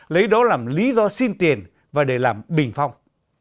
lấy đó làm lý do xin tiền và để làm bình phong